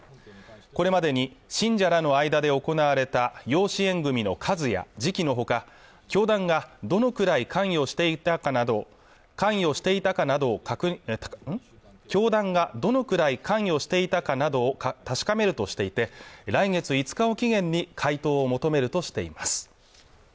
これまでに信者らの間で行われた養子縁組の数や時期のほか教団がどのくらい関与していたかなどを確かめるとしていて来月５日を期限に回答を求めるとしています